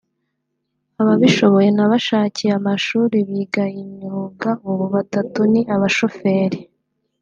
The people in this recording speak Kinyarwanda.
ababishoboye nabashakiye amashuri biga imyuga ubu batatu ni abashoferi